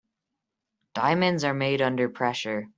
Diamonds are made under pressure.